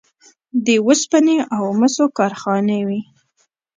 د وسپنې او مسو کارخانې وې